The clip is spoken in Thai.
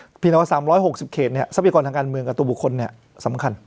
พี่เรียกว่า๓๖๐เขตเนี่ยทรัพยากรทางการเมืองกับตัวบุคคลเนี่ยสำคัญ